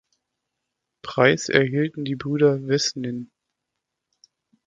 Preis erhielten die Brüder Wesnin.